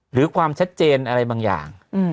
หรือความชัดเจนอะไรบางอย่าง